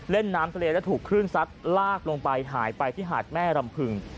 เล่นน้ำทะเลแล้วถูกคลื่นซัดลากลงไปหายไปที่หาดแม่รำพึง